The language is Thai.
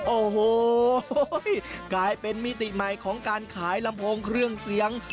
โอ้โหกลายเป็นมิติใหม่ของการขายลำโพงเครื่องเสียง